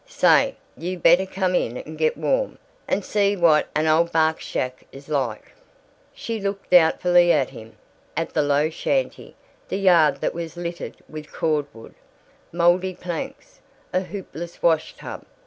"Say, you better come in and get warm, and see what an old bach's shack is like." She looked doubtfully at him, at the low shanty, the yard that was littered with cord wood, moldy planks, a hoopless wash tub.